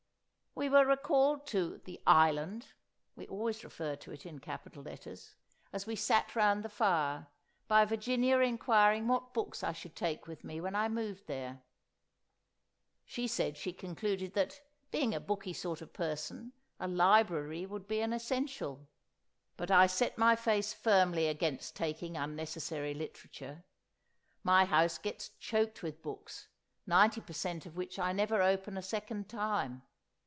We were recalled to The Island (we always refer to it in capital letters) as we sat round the fire, by Virginia inquiring what books I should take with me when I moved there. She said she concluded that, being a booky sort of a person, a library would be an essential. But I set my face firmly against taking unnecessary literature. My house gets choked with books, ninety per cent. of which I never open a second time.